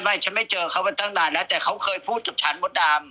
ฉันไม่เจอเขามาตั้งนานแล้วแต่เขาเคยพูดกับฉันมดดำ